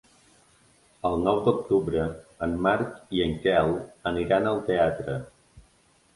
El nou d'octubre en Marc i en Quel aniran al teatre.